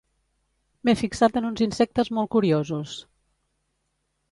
M'he fixat en uns insectes molt curiosos